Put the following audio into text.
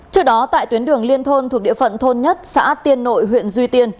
trước đó tại tuyến đường liên thôn thuộc địa phận thôn nhất xã tiên nội huyện duy tiên